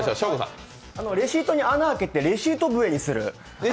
レシートに穴を開けてレシート笛にする。